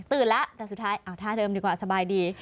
แล้วแต่สุดท้ายเอาท่าเดิมดีกว่าสบายดี